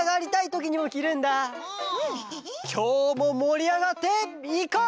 きょうももりあがっていこう！